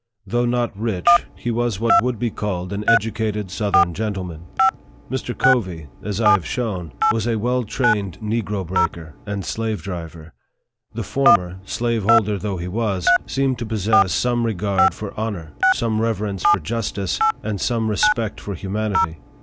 Though not rich, he was what would be called an educated southern gentleman. Mr. Covey, as I have shown, was a well trained negro breaker and slave driver. The former .(slaveholder though he was) seemed to possess some regard for honor, some rever ence for justice, and some respect for humanity.